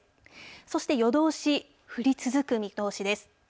そして、夜通し降り続く見通しです。